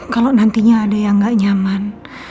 kalau nantinya ada yang nggak nyaman